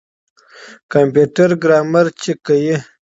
کمپيوټر ګرامر چک کوي.